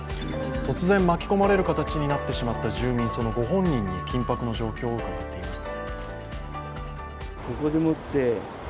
突然、巻き込まれる形になってしまった住民、そのご本人に緊迫の状況を伺っています。